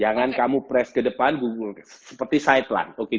jangan kamu press ke depan seperti sideline